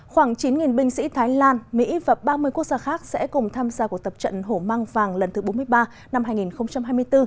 khoảng chín binh sĩ thái lan mỹ và ba mươi quốc gia khác sẽ cùng tham gia cuộc tập trận hổ mang vàng lần thứ bốn mươi ba năm hai nghìn hai mươi bốn